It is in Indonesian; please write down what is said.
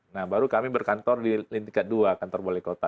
nah baru kami berkantor di tingkat dua kantor balai kota